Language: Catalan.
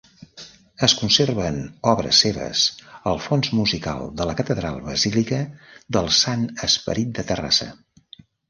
Es conserven obres seves al Fons musical de la catedral-basílica del Sant Esperit de Terrassa.